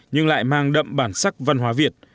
nhưng lại mang đậm bản sắc văn hóa việt